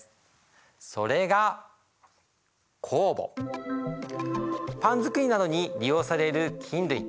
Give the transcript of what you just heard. それがパン作りなどに利用される菌類。